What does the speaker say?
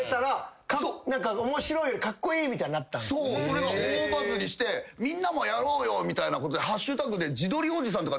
それが大バズりしてみんなもやろうよみたいなことで＃で「自撮りおじさん」できた。